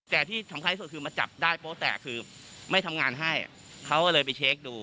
แต่ที่สำคัญที่สุดคือมาจับได้โป๊แตกคือไม่ทำงานให้เขาก็เลยไปเช็คดู